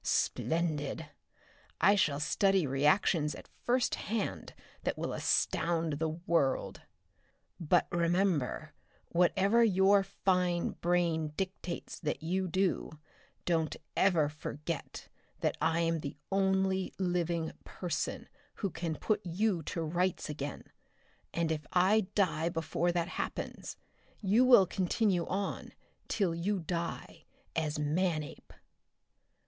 Splendid! I shall study reactions at first hand that will astound the world! "But remember, whatever your fine brain dictates that you do, don't ever forget that I am the only living person who can put you to rights again and if I die before that happens, you will continue on, till you die, as Manape!"